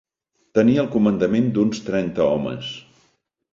Tenia el comandament d'uns trenta homes